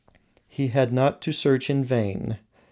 He had not to search in vain.